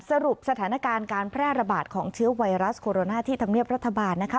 สรุปสถานการณ์การแพร่ระบาดของเชื้อไวรัสโคโรนาที่ธรรมเนียบรัฐบาลนะคะ